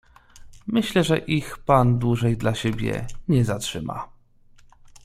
"Myślę, że ich pan dłużej dla siebie nie zatrzyma."